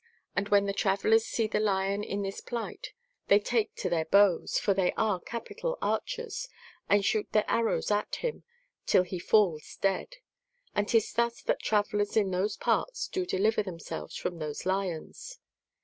And when the travellers see the lion in this plight they take to their bows, for they are capital archers, and shoot their arrows at him till he falls dead. And 'tis thus that travellers in those parts do deliver themselves from those lions.